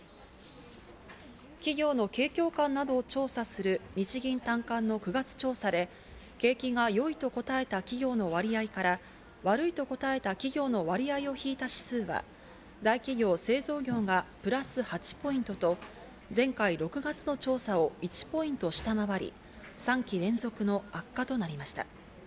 企業の景況感などを調査する日銀短観の９月調査で、景気が良いと答えた企業の割合から悪いと答えた企業の割合を引いた指数が大企業・製造業がプラス８ポイントと前回６月の調査を１ポイント下回り、３期連続の悪化となりました。